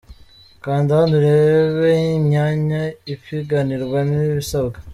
Kanda hano urebe imyanya ipiganirwa n’ibisabwa :.